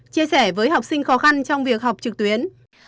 chia sẻ với học sinh khó khăn trong việc học trực tuyến